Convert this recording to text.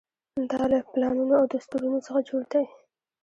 دا له پلانونو او دستورونو څخه جوړ دی.